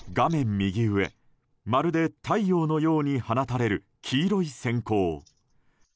右上、まるで太陽のように放たれる黄色い閃光。